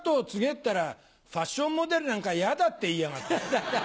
ったら「ファッションモデルなんか嫌だ」って言いやがった。